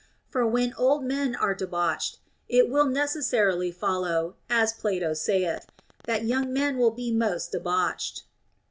For when old men are debauched, it will necessarily follow (as Plato saith) that young men will be most debauched.